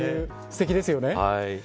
すてきですよね。